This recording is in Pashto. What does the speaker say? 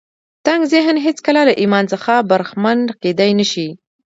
تنګ ذهن هېڅکله له ایمان څخه برخمن کېدای نه شي